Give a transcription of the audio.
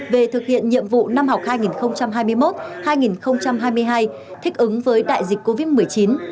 về thực hiện nhiệm vụ năm học hai nghìn hai mươi một hai nghìn hai mươi hai thích ứng với đại dịch covid một mươi chín